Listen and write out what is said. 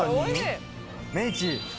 メイチ。